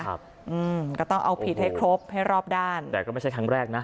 ครับอืมก็ต้องเอาผิดให้ครบให้รอบด้านแต่ก็ไม่ใช่ครั้งแรกนะ